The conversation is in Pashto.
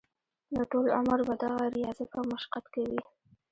نو ټول عمر به دغه رياضت او مشقت کوي -